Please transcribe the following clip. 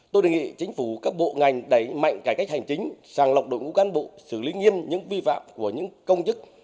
tôi đề nghị chính phủ các bộ ngành đẩy mạnh cải cách hành chính sàng lọc đội ngũ cán bộ xử lý nghiêm những vi phạm của những công chức